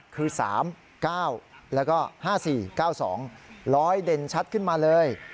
คือ๓๙แล้วก็๕๔๙๒๐๐เด่นชัดขึ้นมาเลย